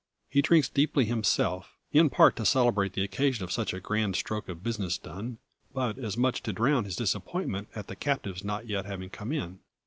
He drinks deeply himself; in part to celebrate the occasion of such a grand stroke of business done, but as much to drown his disappointment at the captives not yet having come in.